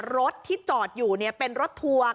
รถที่จอดอยู่เป็นรถทัวร์